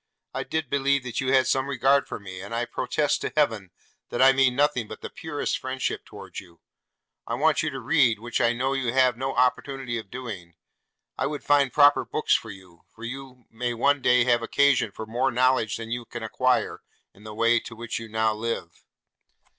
I did believe that you had some regard for me, and I protest to heaven that I mean nothing but the purest friendship towards you. I want you to read, which I know you have now no opportunity of doing. I would find proper books for you; for you may one day have occasion for more knowledge than you can acquire in the way to which you now live.